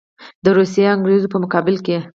د روسیې او انګرېز په مقابل کې.